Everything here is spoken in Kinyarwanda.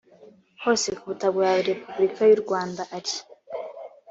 hose ku butaka bwa repubulika y’u rwanda ari